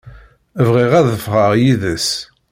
Bɣiɣ ad ffɣeɣ yid-s.